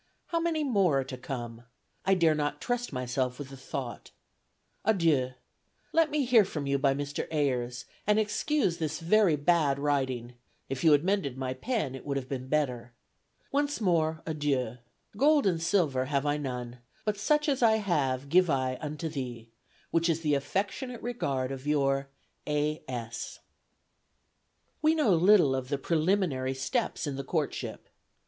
How many more are to come? I dare not trust myself with the thought. Adieu. Let me hear from you by Mr. Ayers, and excuse this very bad writing; if you had mended my pen it would have been better. Once more, Adieu. Gold and silver have I none, but such as I have give I unto thee, which is the affectionate regard of your "A. S." [Illustration: ABIGAIL ADAMS From an early portrait] We know little of the preliminary steps in the courtship.